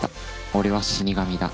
俺は死神だ。